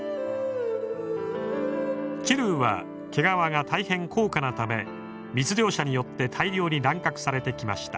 チルーは毛皮が大変高価なため密猟者によって大量に乱獲されてきました。